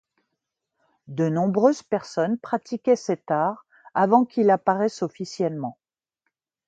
De nombreuses personnes pratiquaient cet art avant qu'il apparaisse officiellement.